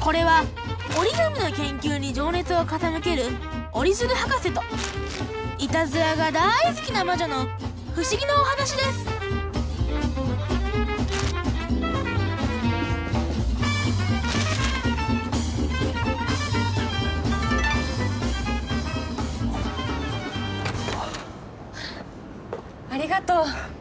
これは折り紙の研究に情熱を傾ける折鶴博士といたずらがだい好きな魔女の不思議なお話ですありがとう。